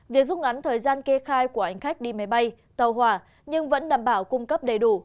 việc rút ngắn thời gian kê khai của hành khách đi máy bay tàu hỏa nhưng vẫn đảm bảo cung cấp đầy đủ